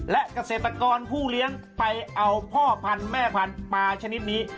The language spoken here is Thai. และเกษตรกรผู้เลี้ยงไปเอาพ่อพันธุ์แม่พันธุ์ปลาชนิดนี้